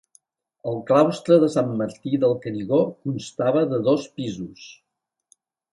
El claustre de Sant Martí del Canigó constava de dos pisos.